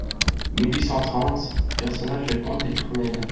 mille huit cent trente PERSONNAGES LE COMTE DES TOURNELLES.